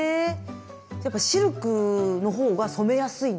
やっぱシルクの方が染めやすいんですか？